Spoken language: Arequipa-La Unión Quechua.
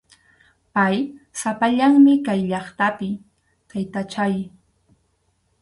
Pay sapallanmi kay llaqtapi, taytachay.